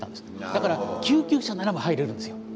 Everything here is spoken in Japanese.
だから救急車ならば入れるんですよ。